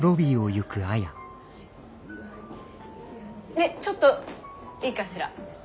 ねっちょっといいかしら。